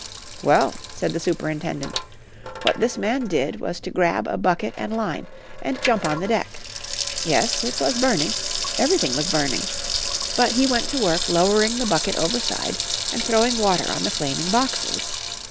"Well," said the superintendent, "what this man did was to grab a bucket and line, and jump on the deck. Yes, it was burning; everything was burning. But he went to work lowering the bucket overside and throwing water on the flaming boxes.